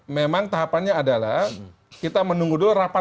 memang tahapannya adalah kita menunggu dulu rapat